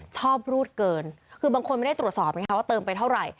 รูดเกินคือบางคนไม่ได้ตรวจสอบไงคะว่าเติมไปเท่าไหร่